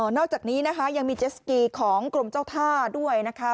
อกจากนี้นะคะยังมีเจสกีของกรมเจ้าท่าด้วยนะคะ